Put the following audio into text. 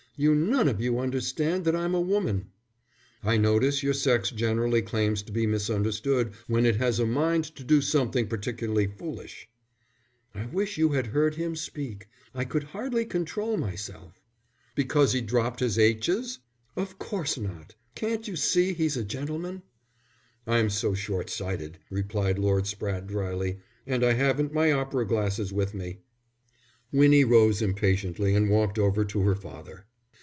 You none of you understand that I'm a woman." "I notice your sex generally claims to be misunderstood when it has a mind to do something particularly foolish." "I wish you had heard him speak. I could hardly control myself." "Because he dropped his aitches?" "Of course not. Can't you see he's a gentleman?" "I'm so short sighted," replied Lord Spratte, dryly. "And I haven't my opera glasses with me." Winnie rose impatiently and walked over to her father.